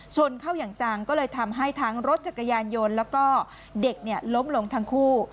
ชนเข้าอย่างจังก็เลยทำให้ทั้งรถจักรยานยนต์แล้วก็เด็กล้มลงทั้งคู่